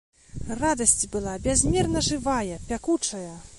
Радасць была бязмерна жывая, пякучая.